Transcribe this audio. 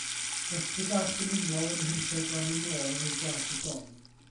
Gwesty bach dymunol ym mhentref Glan-y-môr yw Glas y Don